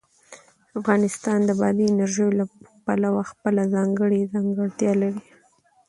افغانستان د بادي انرژي له پلوه خپله ځانګړې ځانګړتیا لري.